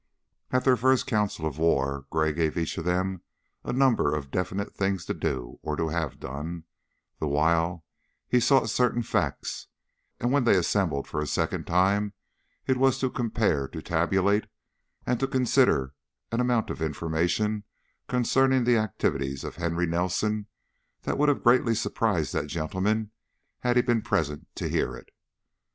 At their first council of war Gray gave each of them a number of definite things to do or to have done, the while he sought certain facts; when they assembled for a second time, it was to compare, to tabulate, and to consider an amount of information concerning the activities of Henry Nelson that would have greatly surprised that gentleman had he been present to hear it.